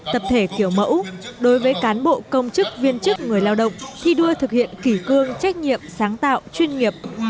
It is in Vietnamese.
tập thể kiểu mẫu đối với cán bộ công chức viên chức người lao động thi đua thực hiện kỷ cương trách nhiệm sáng tạo chuyên nghiệp